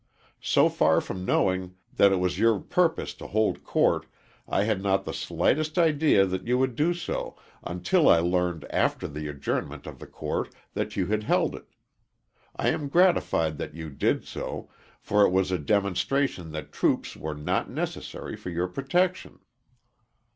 So far from knowing that it was your purpose to hold court, I had not the slightest idea that you would do so, until I learned after the adjournment of the court that you had held it. I am gratified that you did so, for it was a demonstration that troops were not necessary for your protection.